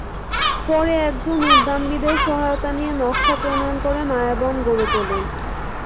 পরে একজন উদ্যানবিদের সহায়তা নিয়ে নকশা প্রণয়ন করে মায়াবন গড়ে তোলেন।